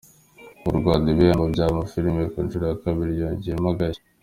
Murwanda ibihembo byama firime ku nshuro ya kabiri yongeyemo agashya